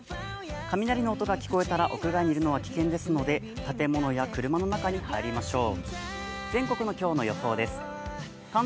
雷の音が聞こえたら屋外にいるのは危険ですので、建物や車の中に入りましょう。